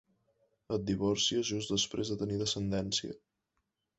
Et divorcies just després de tenir descendència.